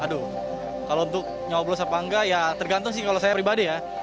aduh kalau untuk nyoblos apa enggak ya tergantung sih kalau saya pribadi ya